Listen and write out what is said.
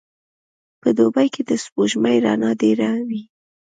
په دوبي کي د سپوږمۍ رڼا ډېره وي.